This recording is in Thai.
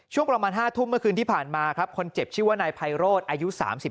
ช่วงประมาณ๕ทุ่มเมื่อคืนที่ผ่านมาครับคนเจ็บชื่อว่านายไพโรธอายุ๓๓